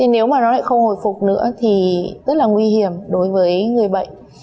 nếu mà nó lại không hồi phục nữa thì rất là nguy hiểm đối với người bệnh